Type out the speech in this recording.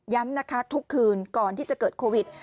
นะคะทุกคืนก่อนที่จะเกิดโควิด